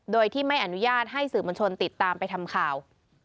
โดยที่ไม่อนุญาตให้สื่อมวลชนติดตามไปทำข่าว